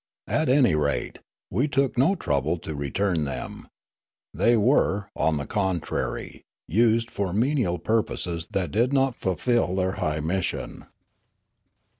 At any rate, we took no trouble to return them; they were, on the contrary, used for menial pur poses that did not fulfil their high mission."